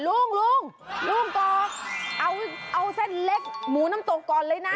ลุงลุงกอกเอาเส้นเล็กหมูน้ำตกก่อนเลยนะ